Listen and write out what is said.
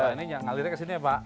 ini yang ngalirnya ke sini ya pak